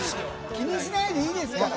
気にしないでいいですから！